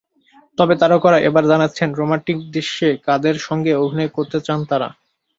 তবে তারকারা এবার জানাচ্ছেন, রোমান্টিক দৃশ্যে কাদের সঙ্গে অভিনয় করতে চান তাঁরা।